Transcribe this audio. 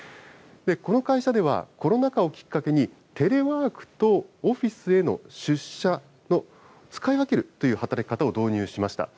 この会社では、コロナ禍をきっかけに、テレワークとオフィスへの出社を使い分けるという働き方を導入しました。